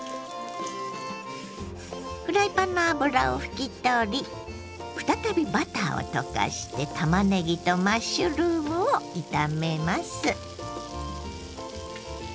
フライパンの油を拭き取り再びバターを溶かしてたまねぎとマッシュルームを炒めます。